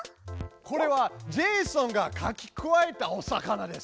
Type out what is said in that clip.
これはジェイソンがかき加えたお魚です。